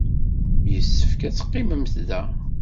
Yessefk ad teqqimemt da.